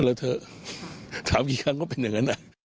เถอะถามกี่ครั้งก็เป็นอย่างนั้น